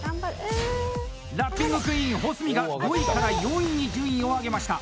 ラッピングクイーン・保住が５位から４位に順位を上げました。